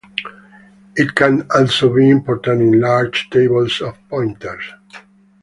It can also be important in large tables of pointers.